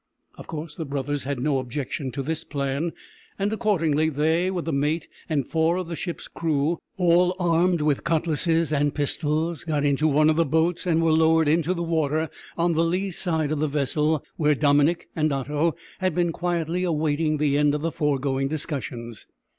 Of course the brothers had no objection to this plan, and accordingly they, with the mate and four of the ship's crew all armed with cutlasses and pistols got into one of the boats and were lowered into the water on the lee side of the vessel, where Dominick and Otto had been quietly awaiting the end of the foregoing discussions.